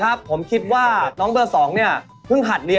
องศาทุกอย่างรำองศารำได้